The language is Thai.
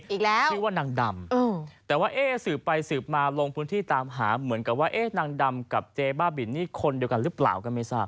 อีกแล้วชื่อว่านางดำแต่ว่าเอ๊ะสืบไปสืบมาลงพื้นที่ตามหาเหมือนกับว่าเอ๊ะนางดำกับเจ๊บ้าบินนี่คนเดียวกันหรือเปล่าก็ไม่ทราบ